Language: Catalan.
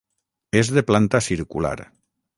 És de planta circular.